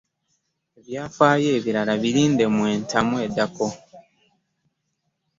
Ebyafaayo ebirala birinde mu Entanda eddako.